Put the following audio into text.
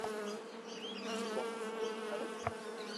ھون دوڪون تي ڪوئي جاو